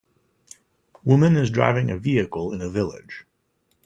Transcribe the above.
Woman is driving a vehicle in a village.